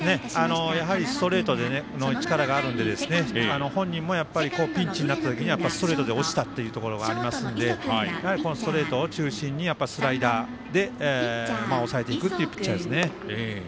ストレートの力があるので本人もピンチになった時にストレートで押したというところがありますのでこのストレートを中心にスライダーで抑えていくというピッチャーですね。